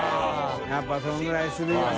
やっぱりそのぐらいするよね。